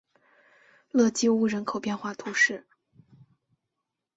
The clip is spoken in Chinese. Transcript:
勒基乌人口变化图示